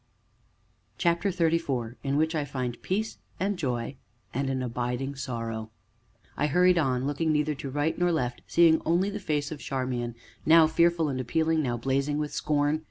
CHAPTER XXXIV IN WHICH I FIND PEACE AND JOY AND AN ABIDING SORROW I hurried on, looking neither to right nor left, seeing only the face of Charmian, now fearful and appealing, now blazing with scorn.